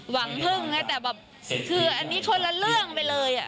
หวังพึ่งนะแต่แบบคืออันนี้คนละเรื่องไปเลย